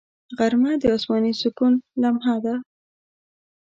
غرمه د آسماني سکون لمحه ده